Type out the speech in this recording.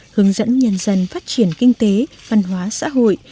hướng dẫn nhân dân phát triển kinh tế văn hóa xã hội